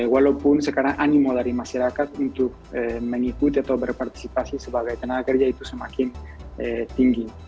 walaupun sekarang animo dari masyarakat untuk mengikuti atau berpartisipasi sebagai tenaga kerja itu semakin tinggi